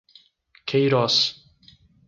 Queiroz